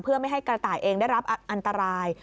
เพื่อไม่ให้กระต่ายเองได้รับอันตราย